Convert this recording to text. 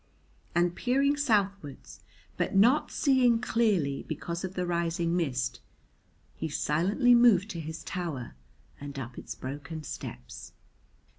And peering southwards, but not seeing clearly because of the rising mist, he silently moved to his tower and up its broken steps.